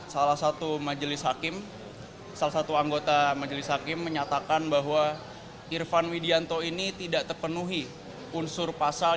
satu anggota majelis hakim menyatakan bahwa irfan widianto ini tidak terpenuhi unsur pasal